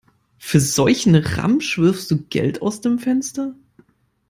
Für solchen Ramsch wirfst du Geld aus dem Fenster?